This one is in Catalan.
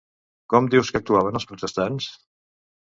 Com diu que actuaven els protestants?